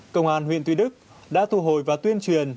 công an huyện tuy đức đã thu hồi và tuyên truyền